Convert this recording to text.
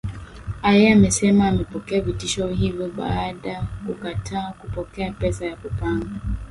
aye amesema amepokea vitisho hivyo baada kukataa kupokea pesa ya kupanga